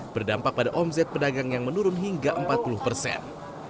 berdampak pada omset pedagang yang menurun hingga empat puluh persen